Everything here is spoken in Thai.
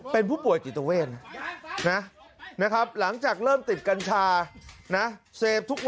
เป็นผู้ปวชนิดละเวท